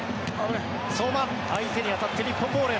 相馬、相手に当たって日本ボール。